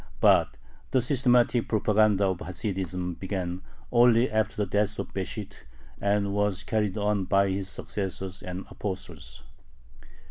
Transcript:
But the systematic propaganda of Hasidism began only after the death of Besht, and was carried on by his successors and apostles.